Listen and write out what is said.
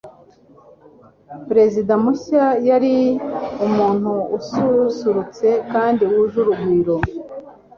Perezida mushya yari umuntu ususurutse kandi wuje urugwiro.